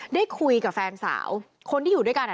ได้คุยกับแฟนสาวคนที่อยู่ด้วยกันอ่ะ